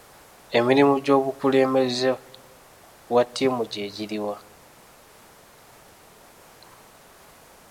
Emirimu gy'omukulembeze wa ttiimu gye giriwa?